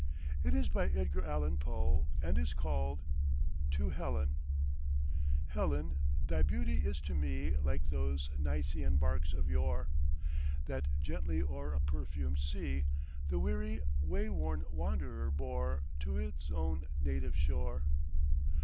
It is by Edgar Allan Poe and is called TO HELEN Helen, thy beauty is to me Like those Nicæan barks of yore; That gently, o'er a perfumed sea, The weary, wayworn wanderer bore To his own native shore.